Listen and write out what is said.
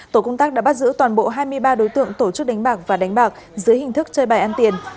tổ công tác đã bắt giữ toàn bộ hai mươi ba đối tượng tổ chức đánh bạc và đánh bạc dưới hình thức chơi bài ăn tiền